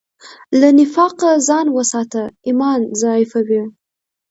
له نفاقه ځان وساته، ایمان ضعیفوي.